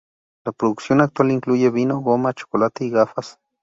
La producción actual incluye vino, goma, chocolate y gafas.